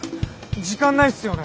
時間ないっすよね。